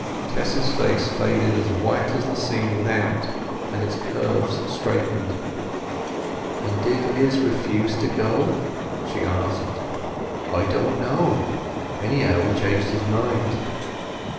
Tess's face faded as white as the scene without, and its curves straightened. "And did Izz refuse to go?" she asked. "I don't know. Anyhow he changed his mind."